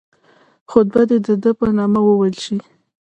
خطبه دي د ده په نامه وویل شي.